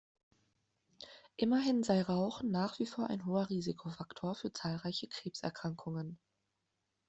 Immerhin sei Rauchen nach wie vor ein hoher Risikofaktor für zahlreiche Krebserkrankungen.